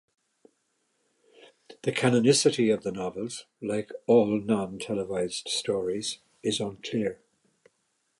The canonicity of the novels, like all non-televised stories, is unclear.